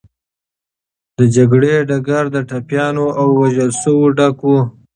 د جګړې ډګر د ټپيانو او وژل سوو ډک و.